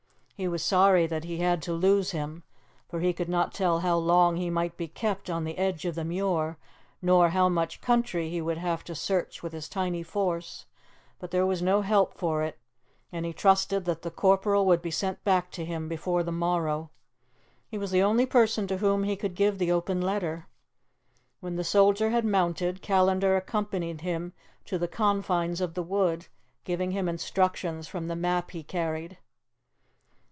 He was sorry that he had to lose him, for he could not tell how long he might be kept on the edge of the Muir, nor how much country he would have to search with his tiny force; but there was no help for it, and he trusted that the corporal would be sent back to him before the morrow. He was the only person to whom he could give the open letter. When the soldier had mounted, Callandar accompanied him to the confines of the wood, giving him instructions from the map he carried.